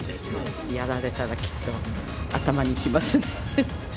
やられたらきっと頭にきますね。